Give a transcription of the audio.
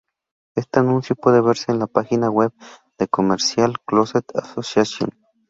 Este anuncio puede verse en la página web de Commercial Closet Association.